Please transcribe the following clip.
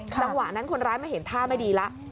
จังหวะนั้นคนร้ายมาเห็นท่าไม่ดีแล้ว